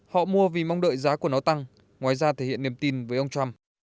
họ mua vì mong đợi giá của nó tăng ngoài ra thể hiện niềm tin với ông trump